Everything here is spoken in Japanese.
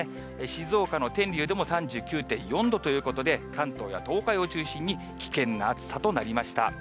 静岡の天竜でも３９．４度ということで、関東や東海を中心に危険な暑さとなりました。